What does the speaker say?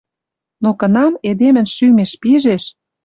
Но кынам эдемӹн шӱмеш пижеш